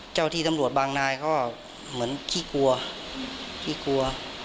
เจ้าที่ตำรวจบางนายเขาเหมือนขี้กลัว